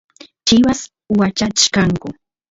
chivas wachachkanku